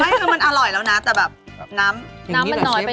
ไม่คือมันอร่อยแล้วนะแต่แบบน้ำน้อยไป